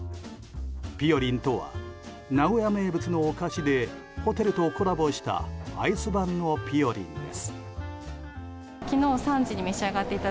ぴよりんとは名古屋名物のお菓子でホテルとコラボしたアイス版のぴよりんです。